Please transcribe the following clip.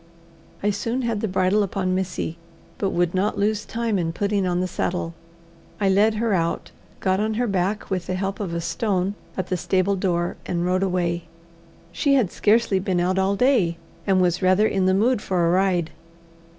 I soon had the bridle upon Missy, but would not lose time in putting on the saddle. I led her out, got on her back with the help of a stone at the stable door, and rode away. She had scarcely been out all day, and was rather in the mood for a ride.